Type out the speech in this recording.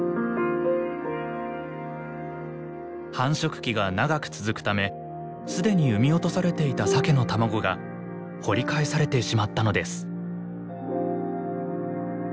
繁殖期が長く続くためすでに産み落とされていたサケの卵が掘り返されてしまったのです。